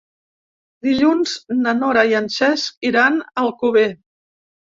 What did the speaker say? Dilluns na Nora i en Cesc iran a Alcover.